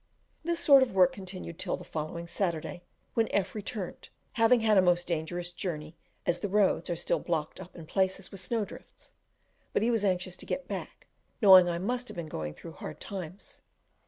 This sort of work continued till the following Saturday, when F returned, having had a most dangerous journey, as the roads are still blocked up in places with snow drifts; but he was anxious to get back, knowing I must have been going through "hard times."